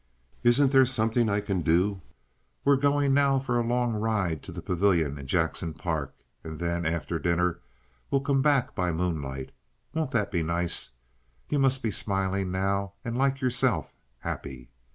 "Isn't there something I can do? We're going now for a long ride to the pavilion in Jackson Park, and then, after dinner, we'll come back by moonlight. Won't that be nice? You must be smiling now and like yourself—happy.